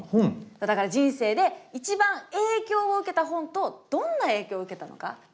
だから人生で一番影響を受けた本とどんな影響を受けたのか是非教えて下さい。